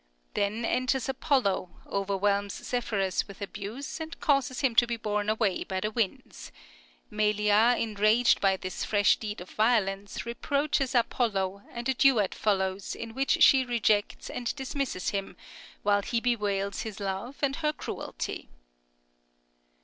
Then enters Apollo, overwhelms Zephyrus with abuse, and causes him to be borne away by the winds; Melia, enraged by this fresh deed of violence, reproaches Apollo, and a duet follows, in which she rejects and dismisses him, while he bewails his love and her cruelty.